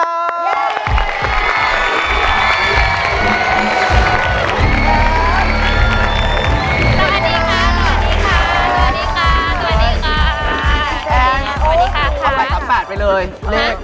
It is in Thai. สวัสดีค่ะสวัสดีค่ะสวัสดีค่ะสวัสดีค่ะ